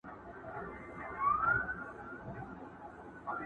بې پناه ومه، اسره مي اول خدای ته وه بیا تاته؛